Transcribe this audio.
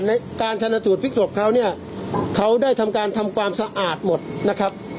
ในการชนะสูตรพลิกศพเขาเนี่ยเขาได้ทำการทำความสะอาดหมดนะครับ